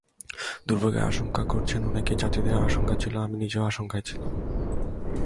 দুর্ভোগের আশঙ্কা করেছেন অনেকেই, যাত্রীদেরও আশঙ্কা ছিল, আমি নিজেও আশঙ্কা করেছিলাম।